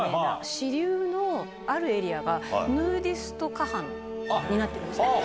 支流のあるエリアが、ヌーディスト河畔になっているんですね。